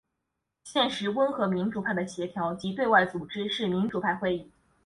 现时温和民主派的协调及对外组织是民主派会议。